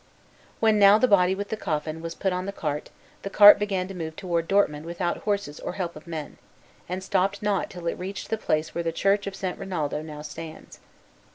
When now the body with the coffin was put on the cart, the cart began to move toward Dortmund without horses or help of men, and stopped not till it reached the place where the church of St. Rinaldo now stands.